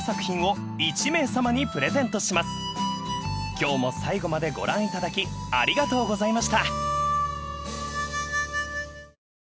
［今日も最後までご覧いただきありがとうございました］